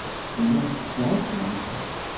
Tellamt tettɛassamt.